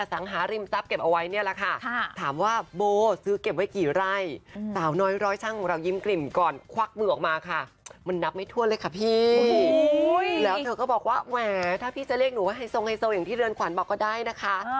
ถ้าพี่จะเรียกหนูว่าไฮโซงไฮโซงอย่างที่เรือนขวานบอกก็ได้นะคะ